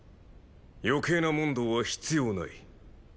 余計な問答は必要ない。